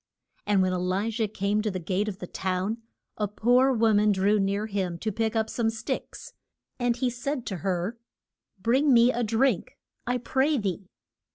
And when E li jah came to the gate of the town, a poor wo man drew near him to pick up some sticks. And he said to her, Bring me a drink, I pray thee.